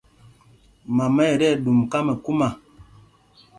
Mama ɛ tí ɛɗum kámɛkúma.